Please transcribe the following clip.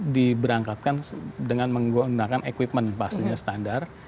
diberangkatkan dengan menggunakan equipment pastinya standar